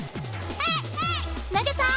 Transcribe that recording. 投げた！